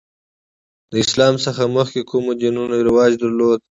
د اسلام څخه مخکې کوم دینونه رواج درلود؟